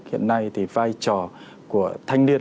hiện nay thì vai trò của thanh niên